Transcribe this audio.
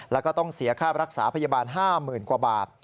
แล้วก็ต้องเสียค่ารักษาพยาบาล๕๐๐๐กว่าบาท